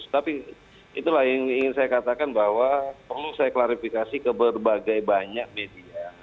tapi itulah yang ingin saya katakan bahwa perlu saya klarifikasi ke berbagai banyak media